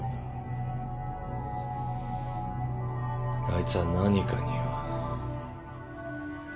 あいつは何かにおう。